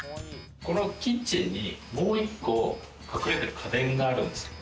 このキッチンにもう１個、隠れている家電があるんですよ。